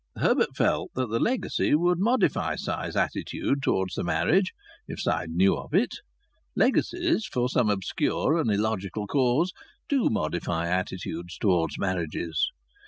Herbert felt that the legacy would modify Si's attitude towards the marriage, if Si knew of it. Legacies, for some obscure and illogical cause, do modify attitudes towards marriages.